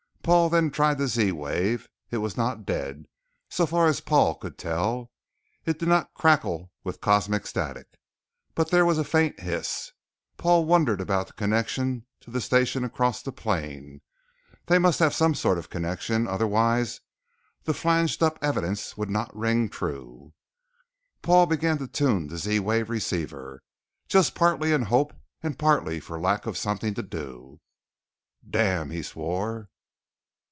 Paul then tried the Z wave. It was not dead, so far as Paul could tell. It did not crackle with cosmic static, but there was a faint hiss. Paul wondered about the connection to the station across the plain. They must have some sort of connection otherwise the flanged up evidence would not ring true. Paul began to tune the Z wave receiver, just partly in hope and partly for lack of something to do. "Damn!" he swore.